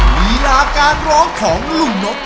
ฬีราการร้องของลูกนบ